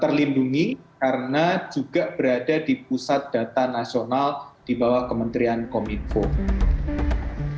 terlindungi karena juga berada di pusat data nasional di bawah kementerian kominfo